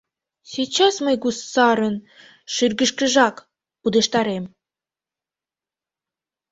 Сейчас мый гусарын шӱргышкыжак пудештарем...